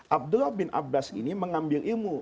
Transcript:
abdullah bin abbas ini mengambil ilmu